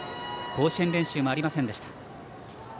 甲子園練習もありませんでした。